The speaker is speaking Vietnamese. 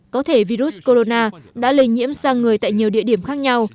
có thể virus corona đã lây nhiễm sang người tại nhiều địa điểm khác nhau